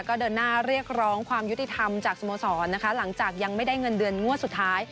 ก็เดินหน้าเรียกร้องความยุติธรรมจากสโมสรนะคะหลังจากยังไม่ได้เงินเดือนงวดสุดท้าย